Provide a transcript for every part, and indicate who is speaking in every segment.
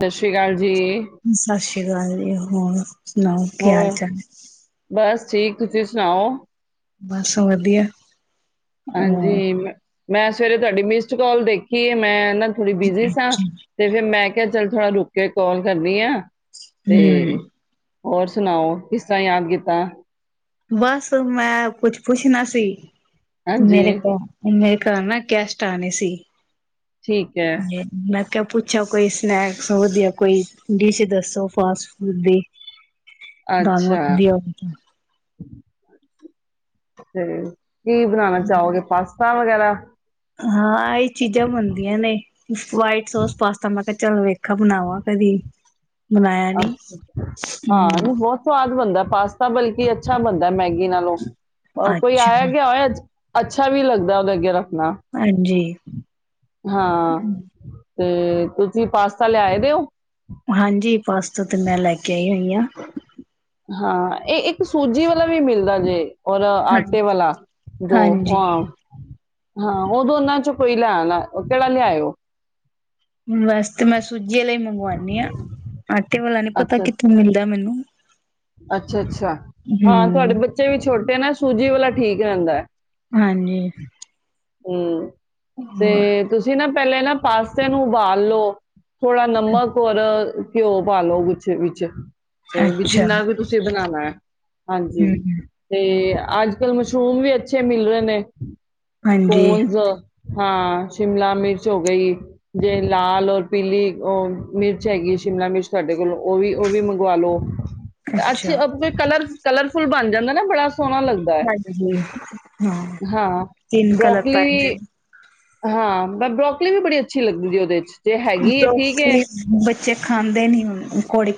Speaker 1: ਸਤਿ ਸ਼੍ਰੀ
Speaker 2: ਸਤਿ ਸ੍ਰੀ ਅਕਾਲ ਜੀ ਉਹ ਹਮ ਸੁਣਾਓ ਕੀ ਹਾਲ
Speaker 1: ਹੋਰ
Speaker 2: ਚਾਲ ਹੈ
Speaker 1: ਬਸ ਠੀਕ ਤੁਸੀਂ ਸੁਣਾਓ
Speaker 2: ਬਸ ਵਧੀਆ ਅ
Speaker 1: ਹਾਂਜੀ ਮੈਂ ਸਵੇਰੇ ਤੁਹਾਡੀ ਮਿਸਡ ਕਾਲ ਦੇਖੀ ਹੈ ਮੈਂ ਇਹ ਥੋੜੀ ਬਿਜੀੀ ਸਾਂ ਤੇ ਫਿਰ ਮੈਂ ਕਿਹਾ ਚੱਲ ਥੋੜਾ ਰੁਕੇ ਕੇ ਕਾਲ ਕਰਨੀ ਆ ਤੇ
Speaker 2: ਹਮ
Speaker 1: ਹੋਰ ਸੁਣਾਓ ਕਿਸ ਤਰ੍ਹਾਂ ਯਾਦ ਕੀਤਾ
Speaker 2: ਬਸ ਮੈਂ ਕੁੱਛ ਪੁੱਛਣਾ ਸੀ ਮੇਰੇ
Speaker 1: ਹਾਂਜੀ,
Speaker 2: ਕੋ ਮੇਰੇ ਕਰ ਨਾ ਕੈਸਟ ਆਣੇ ਸੀ
Speaker 1: ਠੀਕ ਹੈ
Speaker 2: ਕਿਆ ਪੁੱਛੋ ਕੋਈ ਸਨੈਕਸ ਵਧੀਆ ਕੋਈ ਡਿਸ਼ ਦੱਸੋ ਫਾਸਟ ਫੂਡ ਦੀ ਦਾਨ
Speaker 1: ਅੱਛਾ
Speaker 2: ਦੀ ਆ
Speaker 1: ਹਮ ਕੀ ਬਣਾਉਣਾ ਚਾਹੋਗੇ ਪਾਸਤਾ ਵਗੈਰਾ [inaudible]
Speaker 2: ਹਾਂ ਚੀਜ਼ਾਂ ਬਣਦੀਆਂ ਨੇ ਵਾਈਟ ਸੋਸ ਪਾਸਤਾ ਮੈਂ ਚਲੋ ਵੇਖਾ ਬਣਾਵਾਾਂ ਕਦੀ ਬਣਾਇਆ ਨੀ
Speaker 1: ਅੱਛੱ ਹਾਂ
Speaker 2: ਹਮ
Speaker 1: ਇਹਨੂੰ ਬਹੁਤ ਸਵਾਦ ਬਣਦਾ ਪਾਸਤਾ ਬਲਕਿ ਅੱਛਾ ਬਣਦਾ ਮੈਗੀ ਨਾਲੋਂ ਉਹ ਕੋਈ
Speaker 2: ਅੱਛਾ
Speaker 1: ਆਇਆ ਕ ਹੋਇਆਜ ਅੱਛਾ ਵੀ ਲੱਗਦਾ ਉਹਦਾਰਾ ਨਾ
Speaker 2: ਹਾਂਜੀ
Speaker 1: ਹਾਂ ਤੇ ਤੁਸੀਂ ਪਾਸਤਾ ਲਿਆਏ ਦਿਓ
Speaker 2: ਪਾਸਤੋ ਤੇ ਮੈਂ ਲੈ ਕੇ ਆਈ ਹੋਈ ਹਾਂ ਹ
Speaker 1: ਹਾਂ ਇਹ ਇੱਕ ਸੂਜੀ ਵਾਲਾ ਵੀ ਮਿਲਦਾ ਜੇ ਔਰ
Speaker 2: ਹਾਂ
Speaker 1: ਆਟੇ ਵਾਲਾ ਦੋ
Speaker 2: ਹਾਂਜੀ
Speaker 1: ਹਾਂ ਹਾਂ ਉਹਦੋ ਉਹਨਾਂ ਚੋਂ ਕੋਈ ਲਿਆ ਨਾ ਕਿਹੜਾ ਲਿਆਇਓ
Speaker 2: ਬਸ ਤੇ ਮੈਂ ਸੂਜੀ ਵਾਲਾ ਹੀ ਮੰਗਵਾਉਣੀ ਆਾਂ ਆਟੇ ਵਾਲਾ ਨੀ ਪਤਾ ਕਿੱਥੋਂ ਮਿਲਦਾ ਮੈਨੂੰ
Speaker 1: ਅੱਛਾ ਅੱਛਾ ਅੱਛਾ ਹਾਂ
Speaker 2: ਹੂੰ
Speaker 1: ਤੁਹਾਡੇ ਬੱਚੇ ਵੀ ਛੋਟੇ ਨੇ ਸੂਜੀ ਵਾਲਾ ਠੀਕ ਰਹਿੰਦਾ ਹੈ
Speaker 2: ਹਾਂਜੀ
Speaker 1: ਹਮ ਤੇ
Speaker 2: ਹੋਰ
Speaker 1: ਤੁਸੀਂ ਨਾ ਪਹਿਲੇ ਨਾ ਪਾਸੇ ਨੂੰ ਉਬਾਲ ਲੋ ਥੋੜਾ ਨਮਕ ਔਰ ਘਿਓ ਪਾਾਲੋ ਕੁਛ ਵਿੱਚ ਤੇ
Speaker 2: ਅੱਛਾ
Speaker 1: ਜਿੰਨਾ ਵੀ ਤੁਸੀਂ ਬਣਾਉਣਾ ਹੈ ਹਾਂਜੀ
Speaker 2: ਹੂੰ
Speaker 1: ਤੇ ਅੱਜ ਕੱਲ੍ਹ ਮਸ਼ਰੂਮ ਵੀ ਅੱਛੇ ਮਿਲ ਰਹੇ ਨੇ
Speaker 2: ਹਾਂਜੀ
Speaker 1: ਫੌਨਸ ਹਾਂ ਸ਼ਿਮਲਾ ਮਿਰਚ ਹੋ ਗਈ ਜੇ ਲਾਲ ਔਰ ਪੀਲੀ ਉਹ ਮਿਰਚ ਹੈਗੀ ਸ਼ਿਮਲਾ ਮਿਰਚ ਤੁਹਾਡੇ ਕੋਲ ਉਹ ਵੀ ਉਹ ਵੀ ਮੰਗਵਾ ਲਓ
Speaker 2: ਅੱਛਾ।
Speaker 1: ਅੱਛੇੇ ਕਲਰ ਕਲਰਫੁਲ ਬਣ ਜਾਂਦਾ ਨਾ ਬੜਾ ਸੋਹਣਾ ਲੱਗਦਾ ਹੈ
Speaker 2: ਹਾਂਜੀ ਹਾਂ
Speaker 1: ਹਾਂ
Speaker 2: ਤਿੰਨ ਕਲਰ
Speaker 1: ਬਰੋਕਲੀ
Speaker 2: ਪੈਂਦੇ
Speaker 1: ਵੀ
Speaker 2: ਨੇ
Speaker 1: ਹਾਂ ਮ ਬਰੋਕਲੀ ਵੀ ਬੜੀ ਅੱਛੀ ਲੱਗਦੀ ਜ ਉਹਦੇ ਚ ਜੇ ਹੈਗੀ ਹੈ ਠੀਕ ਹੈ
Speaker 2: ਲੋਕ ਬੱਚੇ ਖਾਂਦੇ ਨੀ ਹ ਕੋੜੀ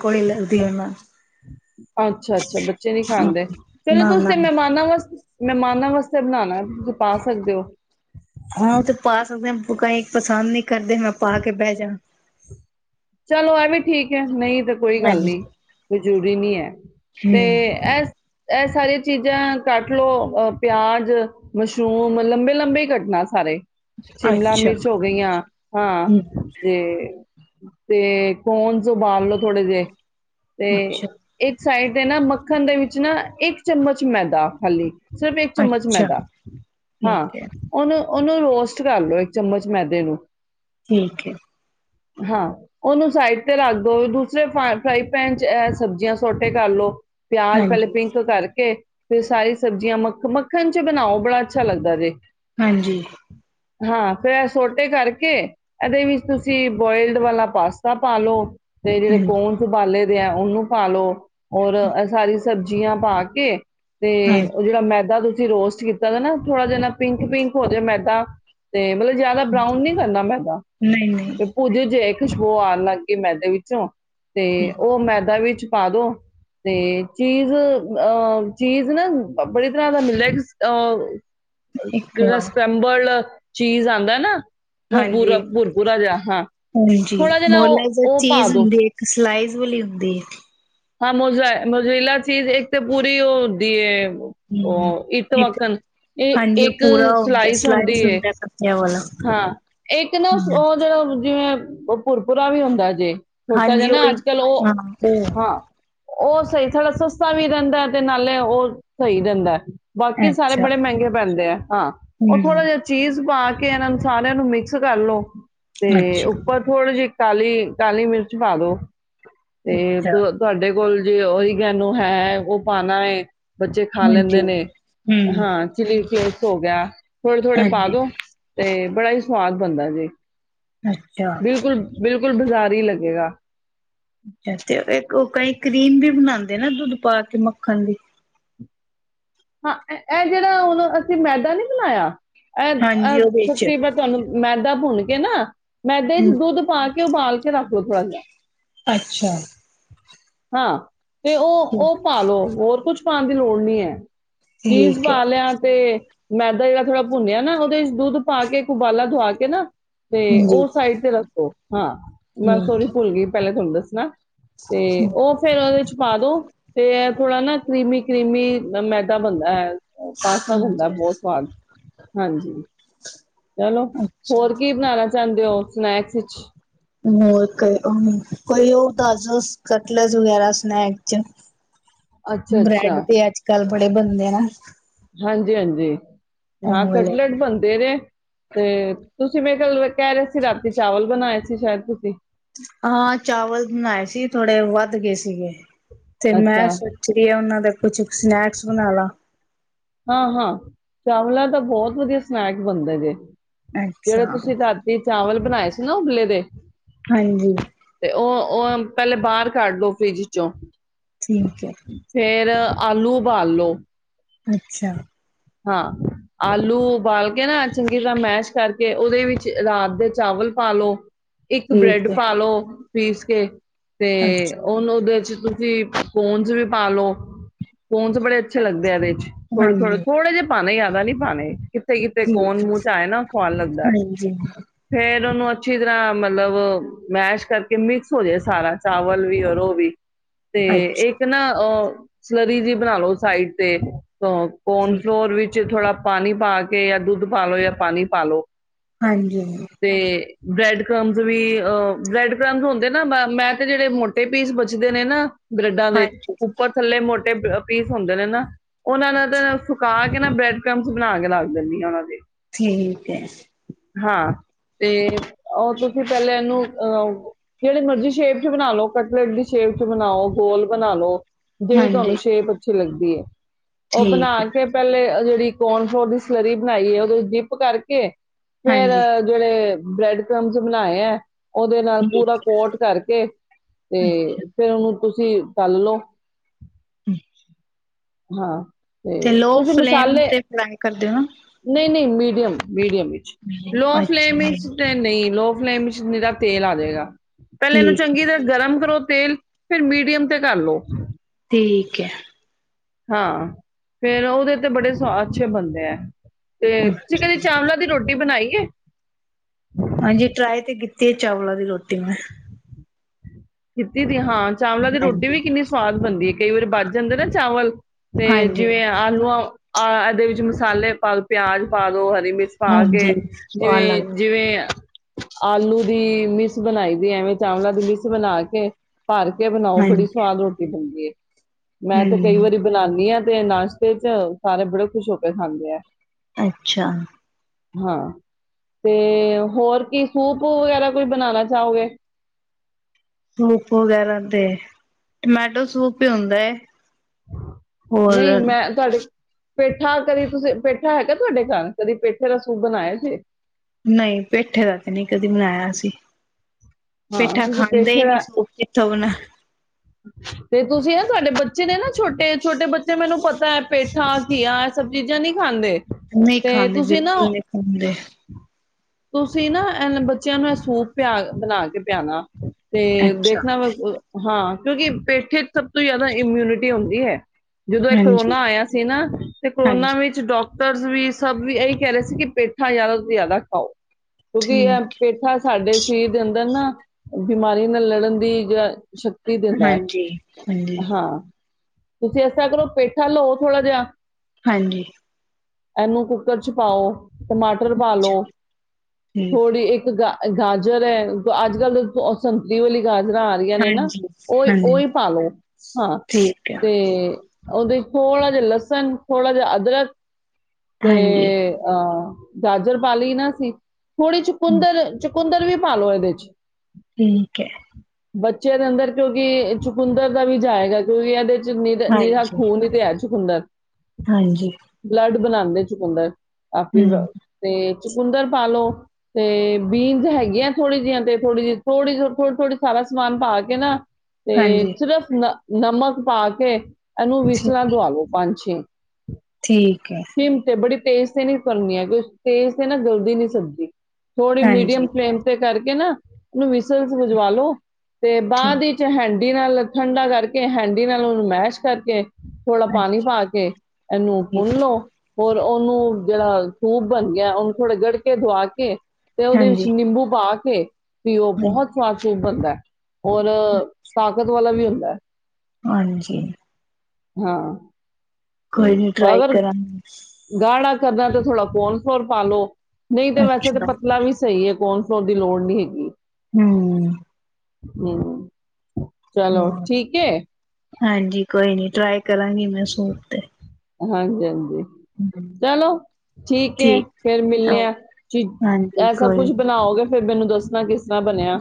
Speaker 1: ਅੱਛਾ ਅੱਛਾ ਬੱਚੇ ਨਹੀਂੀ
Speaker 2: ਨੂੰ।
Speaker 1: ਖਾਂਦੇ ਚਲੋ
Speaker 2: ਨਾ
Speaker 1: ਤੁਸੀ
Speaker 2: ਨਾ
Speaker 1: ਤੇ ਮਹਿਮਾਨਾਂ ਵਾਸਤੇ ਮਹਿਮਾਨਾਂ ਵਾਸਤੇ ਬਣਾਣਾ
Speaker 2: ਹਾਂ ਉਥੇ ਪਾ ਸਕਦੇ ਹਾਂ ਉਹ ਕ ਇੱਕ ਪਸਾਨ ਨੇ ਕਰਦੇ ਮੈਂ ਪਾ ਕੇ ਬਹਿ ਜਾਣਾ
Speaker 1: ਚਲੋ ਇਹ ਵੀ ਠੀਕ ਹੈ ਨਹੀਂ ਤਾਂ ਕੋਈ ਗੱਲ
Speaker 2: ਹਾਂਜੀ
Speaker 1: ਨੀ ਕੋਰੂਰੀ ਨੀ ਹੈ ਤੇ
Speaker 2: ਹੂੰ
Speaker 1: ਇਸ ਇਹ ਸਾਰੀਆਂ ਚੀਜ਼ਾਂ ਕੱਟ ਲਓ ਅ ਪਿਆਜ ਮਸ਼ਰੂਮ ਲੰਬੇ ਲੰਬੇ ਹੀ ਕੱਟਣਾ ਸਾਰੇ ਸ਼ਿਮਲਾ
Speaker 2: ਅੱਛਾ
Speaker 1: ਮਿਰਚ ਹੋ ਗਈਆਂ ਹਾਂ
Speaker 2: ਹੂੰ
Speaker 1: ਜੇ ਤੇ ਕਨ ਸੁ ਉਭਾਲ ਲੋੋ ਥੋੜੇ ਜਿਹੇ ਤੇ
Speaker 2: ਅੱਛਾ।
Speaker 1: ਇੱਕ ਸਾਈਡ ਦੇ ਨਾ ਮੱਖਣ ਦੇ ਵਿੱਚ ਨਾ ਇੱਕ ਚਮਚ ਮੈਦਾ ਖਾਲੀ ਸਿਰਫ ਇੱਕ ਚਮਚ
Speaker 2: ਅੱਛਾ
Speaker 1: ਮੈਦਾ ਹਾਂ
Speaker 2: ਠੀਕ ਹੈ
Speaker 1: ਉਹਨੂੰ ਉਹਨੂੰ ਰੋਸਟ ਕਰ ਲੋ ਇੱਕ ਚਮਚ ਮੈਦੇ ਨੂੰ
Speaker 2: ਠੀਕ ਹੈ
Speaker 1: ਹਾਂ ਉਹਨੂੰ ਸਾਈਡ ਤੇ ਰੱਖ ਦੋ ਦੂਸਰੇ ਫਰਾਈ ਪੈਨ ਚ ਇਹ ਸਬਜ਼ੀਆਂ ਸੋਟੇ ਕਰ ਲਉ ਪਿਆਜ ਪਹਿਲੇ
Speaker 2: ਹਾਂਜੀ
Speaker 1: ਪਿੰਕ ਕਰਕੇ ਫਿਰ ਸਾਰੀ ਸਬਜ਼ੀਆਂ ਮ ਮੱਖਣ ਚ ਬਣਾਓ ਬੜਾ ਅੱਛਾ ਲੱਗਦਾ ਜੇ
Speaker 2: ਹਾਂਜੀ
Speaker 1: ਹਾਂ ਫਿਰ ਇਹ ਸੋਟੇ ਕਰਕੇ ਇਹਦੇ ਵਿੱਚ ਤੁਸੀਂ ਬੋਇਲਡ ਵਾਲਾ ਪਾਸਤਾ ਪਾ ਲੋ ਤੇ ਜਿਹੜੇ
Speaker 2: ਹਮ
Speaker 1: ਕੋਣ ਸੰਭਾਲੇ ਉਹਨੂੰ ਪਾਾਲੋ ਹੋਔਰ ਸਾਰੀ ਸਬਜ਼ੀਆਂ ਪਾ ਕੇ ਤੇ
Speaker 2: ਹਾਂ
Speaker 1: ਉਹ ਜਿਹੜਾ ਮੈਦਾ ਦ ਤੁਸੀਂ ਰੋਸਟ ਕੀਤਾ ਨਾ ਥੋੜਾ ਜਿ ਨਾ ਪਿੰਕ ਪਿੰਕ ਹੋ ਜਾ ਮੈਦਾ ਤੇ ਮਤਲਬ ਜਿਆਦਾ ਬਰਾਊਨ ਨੀ ਕਰਨਾ ਪੈਂਦਾ
Speaker 2: ਨਹੀਂ ਨਹੀਂ
Speaker 1: ਤੇ ਭੁਜ ਜੇ ਖੁਸ਼ਬੋ ਆਣ ਲੱਗ ਗਈ ਮੈਦੇ ਵਿੱਚੋਂ ਤੇ
Speaker 2: ਠੀਕ
Speaker 1: ਉਹ ਮੈਦਾ ਵਿੱਚ ਕੁਛ ਪਾ ਦੋ ਤੇ ਚੀਜ਼ ਅਹ ਚੀਜ਼ ਨਾ ਬੜੀ ਤਰ੍ਹਾਂ ਦਾ ਮਿਲਦਾ ਅ
Speaker 2: ਇੱਕ
Speaker 1: ਜਿੰਨਾ ਸਟੈਂਬਲ ਚੀਜ਼ ਆਂਦਾ ਨਾ ਉਹ
Speaker 2: ਹਾਂਜੀ
Speaker 1: ਬੁਰ ਭੁਰਾ ਜਾ ਹਾਂ।
Speaker 2: ਹਾਂਜੀ
Speaker 1: ਥੋੜਾ ਜਿਹਾ ਨਾ ਉਹ
Speaker 2: ਮੋਲਾ ਜਾ
Speaker 1: ਉਹ ਪਾ
Speaker 2: ਚੀਜ਼
Speaker 1: ਦੋ
Speaker 2: ਹੁੰਦੀ ਏ ਇੱਕ ਸਲਾਈਜ਼ ਵਾਲੀ ਹੁੰਦੀ ਏ।
Speaker 1: ਹਾਂ, ਮੋਜ ਮੋਜਿਲਾ ਚੀਜ਼ ਇੱਕ ਤਾਂ ਪੂਰੀ ਉਹ ਹੁੰਦੀ ਐ।
Speaker 2: ਹਮ
Speaker 1: ਉਹ ਇਤ
Speaker 2: ਇੱਕ
Speaker 1: ਵਕਣ ਇਹ
Speaker 2: ਹਾਂਜੀ ਉਹ
Speaker 1: ਇੱਕ
Speaker 2: ਪੂਰਾ ਹੁੰਦਾ
Speaker 1: ਸਲਾਈਸ ਹੁੰਦੀ ਏ।
Speaker 2: ਹੁੰਦਾ ਪੱਤਿਆਂ ਵਾਲਾ
Speaker 1: ਹਾਂ ਇੱਕ ਨਾ
Speaker 2: ਹਮ
Speaker 1: ਉਹ ਜਿਹੜਾ ਜਿਵੇਂ ਉਹ ਭੁਰ ਭੁਰਾ ਵੀ ਹੁੰਦਾ ਜੇ ਛੋਟਾ ਜਿਹਾ
Speaker 2: ਹਾਂਜੀ
Speaker 1: ਨਾ
Speaker 2: ਉਹੀ
Speaker 1: ਅੱਜ- ਕੱਲ
Speaker 2: ਹਾਂ
Speaker 1: ਉਹ
Speaker 2: ਉਹ
Speaker 1: ਹਾਂ। ਉਹ ਸਹੀ ਥੋੜਾ ਸਸਤਾ ਵੀ ਰਹਿੰਦਾ ਤੇ ਨਾਲੇ ਉਹ ਸਹੀ ਰਹਿੰਦਾ। ਬਾਕੀ ਸਾਰੇ
Speaker 2: ਅੱਛਾ
Speaker 1: ਬੜੇ ਮਹਿੰਗੇ ਪੈਂਦੇ ਆ ਹਾਂ ਉਹ
Speaker 2: ਹਮ
Speaker 1: ਥੋੜ੍ਹਾ ਜਿ ਚੀਜ਼ ਪਾ ਕੇ ਕੇ ਇਹਨਾਂ ਨੂੰ ਸਾਰਿਆਂ ਨੂੰ ਮਿਕਸ ਕਰ ਲੋ। ਤੇ
Speaker 2: ਅੱਛਾ
Speaker 1: ਉੱਪਰ ਥੋੜੀ ਜਿਹੀ ਕਾਲੀ- ਕਾਲੀ ਮਿਰਚ ਪਾ ਦੋ। ਤੇ
Speaker 2: ਅੱਛਾ
Speaker 1: ਤੁ ਤੁਹਾਡੇ ਗੋਲ ਜੇ ਉਹੀ ਗੈਨ ਨੂੰ ਹੈ ਉਹ ਪਾਣਾ ਹੈ। ਬੱਚੇ ਖਾ
Speaker 2: ਹਾਂਜੀ
Speaker 1: ਲੈਂਦੇ ਨੇ
Speaker 2: ਹਮ
Speaker 1: ਹਾਂ ਚਿਲੀ ਫੀ ਹੋ ਗਿਆ। ਥੋੜੇ-ਥੋੜੇ ਪਾ
Speaker 2: ਹਾਂਜੀ
Speaker 1: ਦੋ ਤੇ ਬੜਾ ਹੀ ਸਵਾਦ ਬਣਦਾ ਜੀ।
Speaker 2: ਅੱਛਾ,
Speaker 1: ਬਿਲਕੁਲ ਬਿਲਕੁਲ ਬਾਜ਼ਾਰ ਹੀ ਲੱਗੇਗਾ।
Speaker 2: ਅੱਛਾ ਤੇ ਇੱਕ ਉਹ ਕਈ ਕਰੀਮ ਵੀ ਬਣਾਉਂਦੇ ਨਾ ਦੁੱਧ ਪਾ ਕੇ ਮੱਖਣ ਦੀ
Speaker 1: ਹਾਂ, ਅਹ
Speaker 2: ਹਾਂਜੀ
Speaker 1: ਅਹ
Speaker 2: ਉਹਦੇ ਚ
Speaker 1: ਸੱਚੀ ਬਤ ਤੁਹਾਨੂੰ ਮੈਦਾ ਹੁਣਗੇ ਨਾ ਮੈਦੇ ਚ
Speaker 2: ਹਮ
Speaker 1: ਦੁੱਧ ਪਾ ਕੇ ਕਿਉਂ ਬਾਲ ਕੇ ਰੱਖਲੋ ਥੋੜਾ ਜਾ
Speaker 2: ਅੱਛਾ
Speaker 1: ਹਾਂ ਤੇ ਉਹ ਉਹ ਪਾ ਲੋ ਹੋਰ ਕੁਛ ਪਾਉਣ ਦੀ ਲੋੜ ਨਹੀਂੀ ਹੈ ਚੀਜ਼
Speaker 2: ਠੀਕ ਹੈ
Speaker 1: ਪਾ ਲਿਆ ਤੇ ਮੈਦਾ ਜਿਹੜਾ ਥੋੜ੍ਹਾ ਭੁੰਨਿਆ ਨਾ ਉਹਦੇ ਚ ਦੁੱਧ ਪਾ ਕੇ ਉਬਾਲਾ ਦੁਆ ਕੇ ਨਾ ਤੇ
Speaker 2: ਹਾਂਜੀ
Speaker 1: ਉਹ ਸਾਈਡ ਤੇ ਰੱਖੋ ਹਾਂ। ਮੈਂ ਸੋਰੀ
Speaker 2: ਠੀਕ ਹੈ
Speaker 1: ਭੁੱਲ ਗਈ ਪਹਿਲੇ ਤੁਹਾਨੂੰ ਦੱਸਣਾ ਤੇ ਉਹ ਫੇਰ ਉਹਦੇ ਚ ਪਾ ਦੋ ਤੇ ਐ ਥੋੜਾ ਨਾ ਕਰੀਮੀ ਕ੍ਰੀਮੀ [unintelligible] [unintelligible] ਪਾਸਤਾ ਬਣਦਾ
Speaker 2: ਹਾਂਜੀ
Speaker 1: ਬਹੁਤ ਸਵਾਦ ਹਾਂਜੀ, ਚਲੋ
Speaker 2: ਅੱਛਾ
Speaker 1: ਹੋਰ ਕੀ ਬਣਾਉਣਾ ਚਾਹੁੰਦੇ ਹੋ। ਸਨੈਕਸ ਵਿੱਚ।
Speaker 2: ਕ ਹਂ ਕੋਈ ਹੋਰ ਦੱਸ ਦੋ ਲੇਸ ਵਗੈਰਾ ਸਨੈਕਸ ਚ।
Speaker 1: ਅੱਛਾ ਅੱਛਾ
Speaker 2: ਬ੍ਰੈਡ ਤੇ ਅੱਜ ਕੱਲ ਬੜੇ ਬਣਦੇ ਨੇ।
Speaker 1: ਹਾਂਜੀ ਹਾਂਜੀ। ਹਾਂ ਕਟਲੇਟ ਬਣਦੇ ਨੇ। ਤੇ ਤੁਸੀਂ ਮੇਰੇ ਖੈਲ ਕਹਿ ਰਹੇ ਸੀ ਰਾਤੀ ਚਾਵਲ ਬਣਾਏ ਸੀ ਸ਼ਾਇਦ ਤੁਸੀ।
Speaker 2: ਹਾਂ ਚਾਵਲ ਬਣਾਏ ਸੀ ਥੋੜੇ ਵੱਧ ਗਏ ਸੀਗੇ। ਤੇ ਮੈਂ
Speaker 1: ਅੱਛਾ
Speaker 2: ਸੋਚ ਰਹੀ ਆ ਉਹਨਾਂ ਦਾ ਕੁਛ ਸਨੈਕਸ ਬਣਾ ਲਾਂ।
Speaker 1: ਹਾਂ ਹਾਂ ਚਾਵਲਾਂ ਦਾ ਬਹੁਤ ਵਧੀਆ ਸਨੈਕ ਬਣਦੇ ਜੇ। ਜਿਹੜੇ
Speaker 2: ਅੱਛਾ
Speaker 1: ਤੁਸੀ ਰਾਤੀ ਚਾਵਲ ਬਣਾਏ ਸੀ ਨਾ ਉਬਲੇ ਦੇ।
Speaker 2: ਹਾਂਜੀ।
Speaker 1: ਤੇ ਉਹ ਉਹ ਪਹਿਲੇ ਬਾਹਰ ਕੱਢ ਲੋ ਫਰਿਜ ਚੋਂ।
Speaker 2: ਠੀਕ ਹੈ।
Speaker 1: ਫਿਰ ਆਲੂ ਉਬਾਲ ਲਓ।
Speaker 2: ਅੱਛਾ।
Speaker 1: ਹਾਂ ਆਲੂ ਉਬਾਲ ਕੇ ਨਾ ਚੰਗੀ ਤਰ੍ਹਾਂ ਮੈਸ਼ ਕਰਕੇ ਉਹਦੇ ਵਿੱਚ ਰਾਤ ਦੇ ਚਾਵਲ ਪਾ ਲਓ। ਇੱਕ ਬ੍ਰੈਡ
Speaker 2: ਠੀਕ ਹੈ।
Speaker 1: ਪਾ ਲੋ। ਪੀਸ ਕੇ। ਤੇ
Speaker 2: ਅੱਛਾ,
Speaker 1: ਉਹਨੂੰ ਉਹਦੇ ਚ ਤੁਸੀ ਕੋਨਸ ਵੀ ਪਾਾਲੋ। ਕੋਨਸ ਬੜੇ ਅੱਛੇ ਲੱਗਦੇ ਆ ਇਹਦੇ ਚ। ਥੋੜੇ ਥੋੜੇ
Speaker 2: ਹਾਂਜੀ
Speaker 1: ਥੋੜੇ ਜੇ ਪਾਉਣੇ ਆ। ਦਾ ਨਹੀ ਪਾਣੇ। ਕਿੱਤੇ ਕਿਤੇ ਕੌਣ
Speaker 2: ਠੀਕ
Speaker 1: ਮੂੰਹ
Speaker 2: ਹੈ।
Speaker 1: ਚ ਆਏ ਨਾ ਸੁਆਦ ਲਗਦਾ ਐ।
Speaker 2: ਹਾਂਜੀ
Speaker 1: ਫੇਰ ਫੇਰ ਉਹਨੂੰ ਅੱਛੀ ਤਰ੍ਹਾਂ ਮਤਲਬ ਮੈਸ਼ ਕਰਕੇ ਮਿਕਸ ਹੋ ਜਾਏ ਸਾਰਾ ਚਾਵਲ ਵੀ ਔਰ ਉਹ ਵੀ। ਤੇ
Speaker 2: ਅੱਛਾ।
Speaker 1: ਇੱਕ ਨਾ ਅਓ ਸਲਰੀ ਜੀ ਬਣਾਲੋ ਸਾਈਡ ਤੇ। ਕੋਨ
Speaker 2: ਠੀਕ।
Speaker 1: ਫਲੋਰ ਵਿੱਚ ਥੋੜਾ ਪਾਣੀ ਪਾ ਕੇ ਜਾਂ ਦੁੱਧ ਪਾ ਲੋੋ ਜਾਂ ਪਾਣੀ ਪਾ ਲ ਲੋ
Speaker 2: ਹਾਂਜੀ
Speaker 1: ਬ੍ਰੈਡ ਕ੍ਰਮਜ਼ ਵੀ ਬ੍ਰੈਡ ਕ੍ਰਮ ਹੁੰਦੇ ਨਾ ਮੈਂ ਤੇ ਜਿਹੜੇ ਮੋਟੇ ਪੀਸ ਬਚਦੇ ਨੇ ਨਾ ਬ੍ਰੈਡਾਂ ਦੇ
Speaker 2: ਹਾਂਜੀ।
Speaker 1: ਉੱਪਰ ਥੱਲੇ ਮੋ ਪੀਸ ਹੁੰਦੇ ਨੇ ਨਾ ਉਹਨਾਂ ਦਾ ਸੁਕਾ ਬ੍ਰੈਡ ਕ੍ਰਮਸ ਬਣਾ ਕੇ ਲੱਗ ਦਦੀ ਆ ਉਹਨਾਂ ਦੇ
Speaker 2: ਠੀਕ ਹੈ
Speaker 1: ਹਾਂ ਤੇ ਉਹ ਤੁਸੀਂ ਪਹਿਲੇ ਇਹਨੂੰ ਅਹ ਜਿਹੜੇ ਮਰਜ਼ੀ ਸ਼ੇਪ ਚ ਬਣਾ ਲੋ ਕਟਲੇਟ ਦੀ ਸ਼ੇਪ ਚ ਬਣਾਓ ਗੋਲ ਬਣਾ ਲਓ ਜਿਹੜੀ ਤੁਹਾਨੂੰ
Speaker 2: ਹਾਂਜੀ
Speaker 1: ਛੇ ਅੱਛੀ ਲੱਗਦੀ ਉਹ ਬਣਾ
Speaker 2: ਠੀਕ ਹੈ,
Speaker 1: ਕੇ ਪਹਿਲੇ ਜਿਹੇ ਕੋਨ ਫਲੋਰ ਦੀ ਸਲਰੀ ਬਣਾਈਏ ਉਹਦੇ ਜਿਪ ਕਰਕੇ ਫੇਰ
Speaker 2: ਹਾਂਜੀ
Speaker 1: ਜਿਹੜੇ ਬ੍ਰੈਡ ਕ੍ਰਮਸ ਬਣਾਏ ਹੈ ਉਹਦੇ ਨਾਲ
Speaker 2: ਠੀਕ
Speaker 1: ਪੂਰਾ ਕੋਟ ਕਰਕੇ ਤੇ
Speaker 2: ਹੈ। ਅੱਛਾ।
Speaker 1: ਫੇਿਰ ਉਹਨੂੰ ਤੁਸੀਂ ਚੱਲਲਓ
Speaker 2: ਹਮ
Speaker 1: ਹਾਂ ਤੇ ਤੁਸੀ
Speaker 2: ਫਲੇਮ
Speaker 1: ਮਸਾਲੇ
Speaker 2: ਤੇ ਫਰਾਈ ਕਰ ਦੇਣਾ।
Speaker 1: ਨਹੀਂ ਨਹੀਂ ਮੀਟ [inaudible] ਮੀਡੀਅਮ ਵਿੱਚ ਲੋ ਫਲੇਮ
Speaker 2: ਅੱਛਾ
Speaker 1: ਵਿੱਚ ਤੇ ਨਹੀਂ ਲੋ ਫਲੇਮ ਚ ਨਰਾ ਤੇਲ ਆ ਜਾਵੇਗਾ ਪਹਿਲੇ ਇਹਨੂੰ
Speaker 2: ਠੀਕ।
Speaker 1: ਚੰਗੀ ਤਰ੍ਹਾਂ ਗਰਮ ਕਰੋ ਤੇਲ ਫਿਰ ਮੀਡੀਅਮ ਤੇ ਕਰ ਲੋ
Speaker 2: ਠੀਕ ਹੈ
Speaker 1: ਹਾਂ ਫੇਰ ਉਹਦੇ ਤੇ ਬੜੇ ਅੱਛੇ ਬੰਦੇ ਹੈ ਤੇ ਤੁਸੀਂ ਕਹਿੰਦੇ ਚਾਵਲਾਂ ਦੀ ਰੋਟੀ ਰੁਟੀ ਬਣਾਈਏ
Speaker 2: ਹਾਂਜੀ ਟਰਾਈ ਤੇ ਕੀਤੀ ਹੈ ਚਾਵਲਾਂ ਦੀ ਰੋਟੀ ਮੈਂ
Speaker 1: ਕਿ ਕੀਤੀ ਹਾਂ ਚਾਵਲਾ ਦੀ ਰੋਟੀ
Speaker 2: ਹਾਂਜੀ।
Speaker 1: ਵੀ ਕਿੰਨੀ ਸਵਾਦ ਬਣਦੀ ਹੈ ਕਈ ਵਾਰੀ ਵੱਜ ਜਾਂਦੇ ਨਾ ਚਾਵਲ ਤੇ
Speaker 2: ਹਾਂਜੀ।
Speaker 1: ਜਿਵੇਂ ਆਲੂਆਂ ਆ ਇਹਦੇ ਵਿੱਚ ਮਸਾਲੇ ਪਾ ਪਿਆਜ ਪਾ ਦੋ ਵਿੱਚ ਪਾ ਕੇ
Speaker 2: ਹਾਂਜੀ। ਸਵਾਦ
Speaker 1: ਜਿਵੇਂ
Speaker 2: ਲੱਗਦਾ।
Speaker 1: ਜਿਵੇਂ ਆਲੂ ਦੀ ਮਿਸ ਬਣਾਈ ਦੀ, ਐਵੇਂ ਚਾਵਲਾਂ ਦੀ ਮਿਸ। ਬਣਾ ਕੇ। ਭਰ ਕੇ ਬਣਾਓ ਬੜੀ
Speaker 2: ਹਾਂਜੀ।
Speaker 1: ਸਆਦ ਰੋਟੀ ਬਣਦੀ ਏ। ਮੈਂ ਤੇ ਕਈ
Speaker 2: ਹੂੰ।
Speaker 1: ਵਾਰੀ ਬਣਾਉਾਨਦੀ ਹਾਂ। ਤੇ ਨਾਸ਼ਤੇ ਚ ਸਾਰੇ ਬੜੇ ਖੁਸ਼ ਹੋ ਕੇ ਖਾਂਦੇ ਆ।
Speaker 2: ਅੱਛਾ।
Speaker 1: ਹਾਂ ਤੇ ਹੋਰ ਕੀ ਸੂਪ ਵਗੈਰਾ ਕੋਈ ਬਣਾਉਣਾ ਚਾਹੋਗੇ।
Speaker 2: ਸੂਪ ਵਗੈਰਾ ਤੇ ਟਮੈਟੋ ਸੂਪ ਹੀ ਹੁੰਦਾ ਹੈ।
Speaker 1: ਨਹੀਂ ਮੈਂ ਤੁਹਾਡੇ। ਪੇਠਾ ਕਦੀ ਤੁਸੀਂ ਪੈਠਾ ਹੈਗਾ ਤੁਹਾਡੇ ਘਰ ਕਦੀ ਪੈਠੇ ਦਾ ਸੂਪ ਬਣਾਏ ਸੀੇ।
Speaker 2: ਨਹੀਂ ਪੇਠਾ ਦਾ ਤੇ ਨਹੀਂ ਕਦੀ ਬਨਾਇਆ ਸੀ।
Speaker 1: ਹਾਂ ਤੁਸੀਂ ਪੇਠੇ ਦਾ
Speaker 2: ਕਿੱਥੋਂ ਬਣਾ
Speaker 1: ਤੇ ਤੁਸੀਂ ਨਾ ਸਾਡੇੱਚੇ ਬੱਚੇ ਨੇ ਨਾ ਛੋਟੇ- ਛੋਟੇ ਬੱਚੇ ਮੈਨੂੰ ਪਤਾ ਹੈ। ਪੇਠਾ, ਘੀਆ ਇਹ ਸਭ ਚੀਜ਼ਾਂ ਨਹੀਂੀ ਖਾਂਦੇ।
Speaker 2: ਨਹੀਂ
Speaker 1: ਤੇ
Speaker 2: ਖਾਂਦੇ
Speaker 1: ਤੁਸੀਂ ਨਾ
Speaker 2: ਬਿਲਕੁਲ ਨਹੀਂ ਖਾਂਦੇ।
Speaker 1: ਤੁਸੀਂ ਨਾ ਇਹ ਬੱਚਿਆਂ ਨੂੰ, ਇਹ ਸੂਪ ਪਿਆ ਬਣਾ ਕੇ ਕਿ ਧਿਆ ਨਾ। ਤੇ
Speaker 2: ਅੱਛਾ
Speaker 1: ਦੇਖਣਾ ਵ ਹਾਂ। ਕਿਉਂਕਿ ਪੇਠੇ ਚ ਸਭ ਤੋਂ ਜ਼ਿਆਦਾ ਇਮਿਊਨਿਟੀ ਹਉਂਦੀ ਹੈ। ਜਦੋਂ ਇਹ
Speaker 2: ਹਾਂਜੀ
Speaker 1: ਕਰੋਨਾ ਆਇਆ ਸੀ ਨਾ ਤੇ ਕਰੋਨਾ
Speaker 2: ਹਾਂਜੀ
Speaker 1: ਵਿੱਚ ਡਾਕ ਵੀ ਸਭ ਵੀ ਇਹੀ ਕਹਿ ਰਹੇ ਸੀ ਕਿ ਪੇਠਾ ਜ਼ਿਆਦਾ ਤੋਂ ਜ਼ਿਆਦਾ ਖਾਓ। ਕਿਉਂਕਿ ਇਹ
Speaker 2: ਠੀਕ
Speaker 1: ਪੇਠਾ ਸਾਡੇ। ਚ [inaudible] ਨਾ ਬਿਮਾਰੀਆਂ ਨਾਲ ਲੜਨ ਦੀ ਜਾਂ। ਸ਼ਕਤੀ ਦਿੰਦਾ ਹੈ।
Speaker 2: ਹਾਂਜੀ ਹਾਂਜੀ
Speaker 1: ਹਾਂ ਤੁਸੀਂ ਐਸਾ ਕਰੋ ਪੇਠਾ ਲਓ ਥੋੜਾ ਜਿਹਾ।
Speaker 2: ਹਾਂਜੀ।
Speaker 1: ਇਹਨੂੰ ਕੁੱਕਰ ਚ ਪਾਓ। ਟਮਾਟਰ ਪਾ ਲੋ
Speaker 2: ਅੱਛਾ ਠੀਕ
Speaker 1: ਥੋੜ੍ਹੀ, ਇੱਕ ਗ ਗਾਜਰ ਹੈ। ਅੱਜ ਕੱਲ ਬਤ ਸੰਤਰੀ ਵਾਲ ਗਾਜਰਾਂ ਆ ਰਹੀਆਂ ਨੇ ਨਾ
Speaker 2: ਹਾਂਜੀ
Speaker 1: ਉਹਹੀ
Speaker 2: ਹਾਂਜੀ
Speaker 1: ਉਹੀ ਪਾ ਲੋ ਹਾਂ।
Speaker 2: ਠੀਕ ਆ
Speaker 1: ਤੇ ਉਹਦੇ ਥੋੜਾ ਜਿਹਾ ਲਸਣ, ਥੋੜਾ ਜਿਹਾ ਅਦਰਕ ਤੇ
Speaker 2: ਹਾਂਜੀ
Speaker 1: ਅਹ। ਗਾਜਰ ਪਾ ਲਈ ਨਾ ਅਸੀਂ। ਥੋੜੀ ਚੁਕੰਦਰ ਚੁਕੰਦਰ ਵੀ ਪਾ ਲੋੋ ਇਹਦੇ ਚ। ਜੀ
Speaker 2: ਠੀਕ ਹੈ
Speaker 1: ਬੱਚਿਆਂ ਦੇ ਅੰਦਰ ਕਿਉਂਕਿ ਚੁਕੁੰਦਰ ਦਾ ਵੀ ਜਾਏਗਾ ਕਿਉਂਕਿ ਇਹਦੇ ਚ ਨੀਂਰਾ
Speaker 2: ਹਾਂਜੀ
Speaker 1: ਖੂਨ ਤੇ ਹੈ ਚੁਕੰਦਰ
Speaker 2: ਹਾਂਜੀ
Speaker 1: ਬਣਾਦੇ ਚੁਕੰਦਰ ਆਪੀ
Speaker 2: ਹਮ
Speaker 1: ਤੇ ਚਕੁੰਦਰ ਪਾਲੋ ਤੇ ਬੀਨਸ ਹੈਗੀਆਂ ਥੋੜ੍ਹੀ ਜਹੀਆਂ ਤੇ ਥੋੜ੍ਹੀ ਜਿਹੀ ਥੋੜ੍ਹੀ ਥੋੜੀ ਥੋੜ੍ਹੀ ਸਾਰਾ ਸਮਾਨ ਪਾ ਕੇ ਨਾ ਤੇ
Speaker 2: ਹਾਂਜੀ
Speaker 1: ਸਿਰਫ਼ ਨਾ ਨਮਕ ਪਾ ਕੇ ਇਹਨੂੰ ਵਿਸਲਾ
Speaker 2: ਠੀਕ
Speaker 1: ਦੁਆਲੋ ਪੰਜ ਛੇ
Speaker 2: ਠੀਕ ਹੈ
Speaker 1: ਸਿਮ ਤੇ ਬੜੀ ਤੇਜ਼ ਤੇ ਨੀ ਕਰਨੀਆਂ ਤੇਜ਼ ਤੇ ਨਾ ਗਲਦੀ ਨੀ ਸਬਜ਼ੀ ਥੋੜੀ ਮੀਡੀਅਮ
Speaker 2: ਹਾਂਜੀ
Speaker 1: ਫਲੇਮ ਤੇ ਕਰਕੇ ਨਾ ਉਹਨੂੰ ਵਿਸਲਸ ਵਜਵਾ ਲੋ। ਤੇ ਬਾਅਦ
Speaker 2: ਠੀਕ
Speaker 1: ਵਿੱਚ ਚ ਹੰਡ ਹਂਡੀ ਨਾਲ ਠੰਡਾ ਕਰਕੇ ਹੈਂਡੀ ਨਾਲ ਉਹਨੂੰ ਮੈਸ਼ ਕਰਕੇ ਥੋੜ੍ਹਾ ਪਾਣੀ
Speaker 2: ਅੱਛਾ
Speaker 1: ਪਾ ਕੇ ਇਹਨੂੰ ਭੁੰਨ
Speaker 2: ਹਾਂਜੀ।
Speaker 1: ਲੋ ਹੋਰ ਉਹਨੂੰ ਜਿਹੜਾ ਸੂਪ ਬਣ ਗਿਆ ਉਹਨੂੰ ਥੋੜਾ ਗੜ ਕੇ ਦਵਾ ਕੇ ਤੇ ਉਹਦੇ ਵਿੱਚ
Speaker 2: ਹਾਂਜੀ,
Speaker 1: ਨਿੰਬੂ ਪਾਕੇ [unintelligible] ਵੀ ਉਹ ਬਹੁਤ ਸਵਾਦ ਸੂਪ ਬੰਦਾ ਏ। ਹੋਰ ਤਾਕਤ ਵਾਲਾ ਵੀ ਹੁੰਦਾ ਏ।
Speaker 2: ਹਾਂਜੀ
Speaker 1: ਹਾਂ ਤੇ
Speaker 2: ਕੋਈ ਨੀ ਟਰਾਈ
Speaker 1: ਅਗਰ
Speaker 2: ਕਰਾਂਗੇ।
Speaker 1: ਗਾੜਾ ਕਰਨਾ ਤੇ ਥੋੜਾ ਕੌਨ ਫਲੋਰ ਪਾ ਲੋ। ਨਹੀਂ ਤੇ ਵੈਸੇ ਤਾਂ
Speaker 2: ਅੱਛਾ,
Speaker 1: ਪਤਲਾ ਵੀ ਸਹੀ ਹੈ ਕੌਣ ਫੋਉਣ ਦੀ ਲੋੜ ਨਹੀਂ ਹੈਗੀ
Speaker 2: ਹਮ
Speaker 1: ਹਮ ਚਲੋ
Speaker 2: ਹੋਰ
Speaker 1: ਠੀਕ ਹੈ
Speaker 2: ਹਾਂਜੀ ਕੋਈ ਨੀ ਟਰਾਈ ਕਰਾਂਗੀ ਮੈਂ ਸੂਟ ਤੇ
Speaker 1: ਹਾਂਜੀ ਹਾਂਜੀ
Speaker 2: ਹੂੰ।
Speaker 1: ਚਲੋ ਠੀਕ ਹੈ ਫੇਰ ਮਿਲਲੇਿਆ
Speaker 2: ਹਾਂਜੀ
Speaker 1: ਇਹ ਸਭ
Speaker 2: ਕੋਈ
Speaker 1: ਕੁੱਛ
Speaker 2: ਨੀ।
Speaker 1: ਬਣਾਓਗੇ ਫੇਰ ਮੈਨੂੰ ਦੱਸ ਕਿਸ ਨਾ ਕਿਸ ਤਰ੍ਹਾਂ ਬਣਿਆ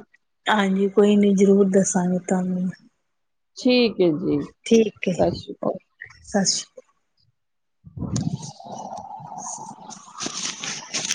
Speaker 2: ਹਾਂਜੀ ਕੋਈ ਨੀ ਜ਼ਰੂਰ ਦੱਸਾਂਗੇ ਤੁਹਾਨੂੰ [inaudible]
Speaker 1: ਠੀਕ ਜੀ ਜੀ
Speaker 2: ਠੀਕ ਏ।
Speaker 1: ਸਤਿ ਸ਼੍ਰੀ
Speaker 2: ਓਕੇ, ਸਤਿ ਸ਼੍ਰੀ [unintelligible]